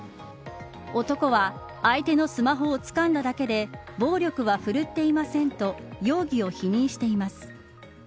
男は相手のスマホをつかんだだけで暴力は振るっていませんと容疑を否認しています。